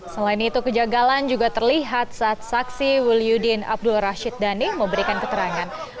selain itu kejagalan juga terlihat saat saksi wil yudin abdul rashid dhani memberikan keterangan